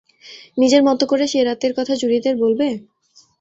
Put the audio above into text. নিজের মতো করে সে রাতের কথা জুরিদের বলবে?